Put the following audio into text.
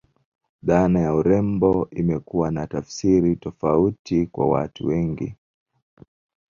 Dhana ya urembo imekuwa na tafsiri tofauti kwa watu wengi